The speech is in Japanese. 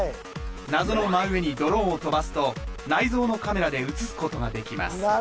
謎の真上にドローンを飛ばすと内蔵のカメラで写すことができます